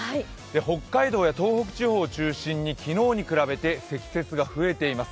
北海道や東北地方を中心に昨日に比べて積雪が増えています。